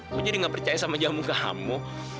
aku jadi nggak percaya sama jamu kamu